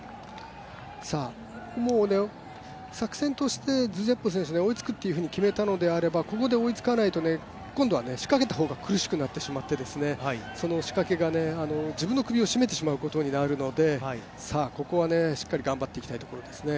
作戦としてズジェブウォ選手、追いつくと決めたのならばここで追いつかないと今度は仕掛けた方が苦しくなってしまってその仕掛けが自分の首を絞めてしまうことになるのでここはしっかり頑張っていきたいところですね。